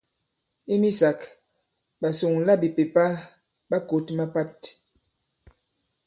I misāk, ɓasuŋlabìpèpa ɓa kǒt mapat.